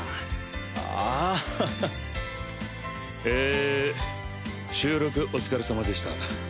ええ収録お疲れさまでした。